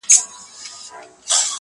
چي وهل یې د سیند غاړي ته زورونه!.